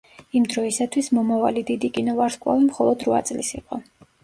იმ დროისათვის მომავალი დიდი კინოვარსკვლავი მხოლოდ რვა წლის იყო.